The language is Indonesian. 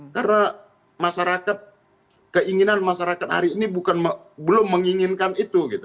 karena masyarakat keinginan masyarakat hari ini belum menginginkan itu gitu